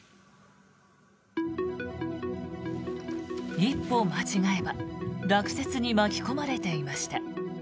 一歩間違えば落雪に巻き込まれていました。